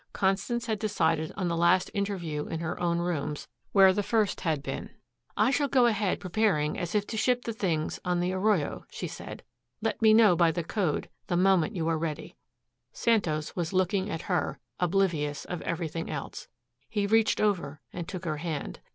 Constance had decided on the last interview in her own rooms where the first had been. "I shall go ahead preparing as if to ship the things on the Arroyo," she said. "Let me know by the code the moment you are ready." Santos was looking at her, oblivious of everything else. He reached over and took her hand.